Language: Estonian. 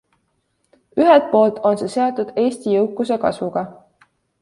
Ühelt poolt on see seotud Eesti jõukuse kasvuga.